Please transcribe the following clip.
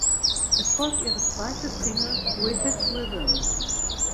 Es folgt ihre zweite Single "Wicked Rhythm".